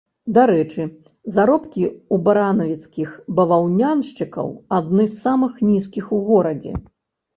Дарэчы, заробкі ў баранавіцкіх баваўняншчыкаў адны з самых нізкіх у горадзе.